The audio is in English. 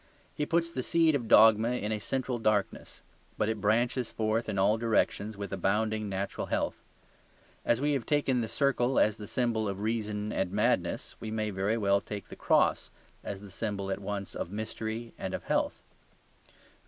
He puts the seed of dogma in a central darkness; but it branches forth in all directions with abounding natural health. As we have taken the circle as the symbol of reason and madness, we may very well take the cross as the symbol at once of mystery and of health.